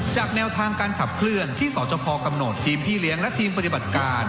แนวทางการขับเคลื่อนที่สจพกำหนดทีมพี่เลี้ยงและทีมปฏิบัติการ